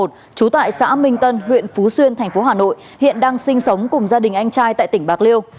trú tại xã minh tân huyện phú xuyên thành phố hà nội hiện đang sinh sống cùng gia đình anh trai tại tỉnh bạc liêu